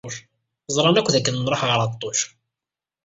Ẓran akk dakken nṛuḥ ɣer Ɛeṭṭuc.